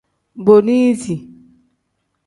Booniisi.